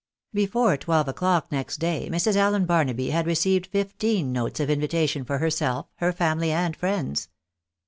Before twelve o'clock next day, Mrs. Allen Barnaby had received fifteen notes of invitation for herself, her family, and friends.